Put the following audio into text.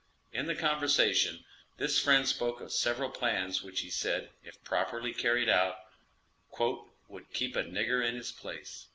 In the conversation, this friend spoke of several plans which he said, if properly carried out, "would keep a nigger in his place."